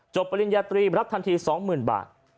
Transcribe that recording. จบปริญญาตรีรับทันทีสองหมื่นบาท